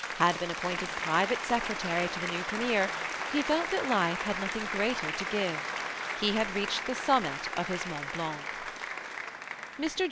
had been appointed private secretary to the new premier, he felt that life had nothing greater to give. He had reached the summit of his Mont Blanc. Mr.